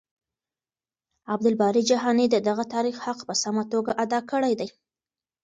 عبدالباري جهاني د دغه تاريخ حق په سمه توګه ادا کړی دی.